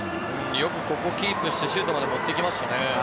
よくここキープしてシュートまで持っていきましたね。